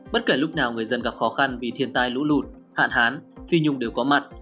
bất kể lúc nào người dân gặp khó khăn vì thiên tai lũ lụt hạn hán khi nhung đều có mặt